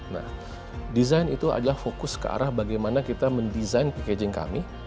nah desain itu adalah fokus ke arah bagaimana kita mendesain packaging kami